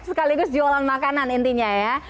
sekaligus jualan makanan intinya ya